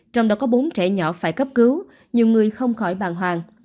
bốn trẻ nhỏ phải cấp cứu nhiều người không khỏi bàn hoàng